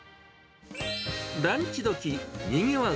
ランチどき、にぎわう